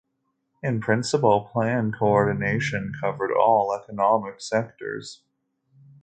In principle, plan coordination covered all economic sectors.